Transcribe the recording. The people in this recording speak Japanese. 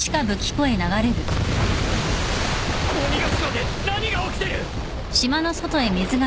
鬼ヶ島で何が起きてる！？